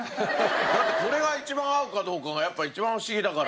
だってこれが一番合うかどうかが一番フシギだから。